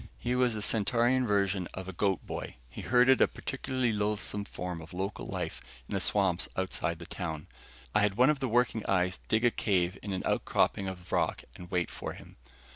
He was the Centaurian version of a goat boy he herded a particularly loathsome form of local life in the swamps outside the town. I had one of the working eyes dig a cave in an outcropping of rock and wait for him.